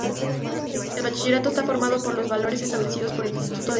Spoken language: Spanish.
El bachillerato está formado con las valores establecidos por el Instituto de Ciencias.